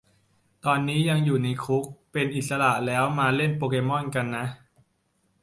ตอนนี้ยังอยู่ในคุก เป็นอิสระแล้วมาเล่นโปเกมอนกันนะ